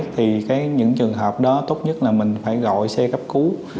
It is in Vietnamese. thì những trường hợp đó tốt nhất là mình phải gọi xe cấp cứu